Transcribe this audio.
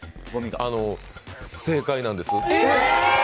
あの、正解なんです。